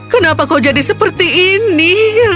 kenapa kau jadi seperti ini